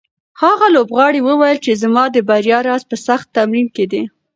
هغه لوبغاړی وویل چې زما د بریا راز په سخت تمرین کې دی.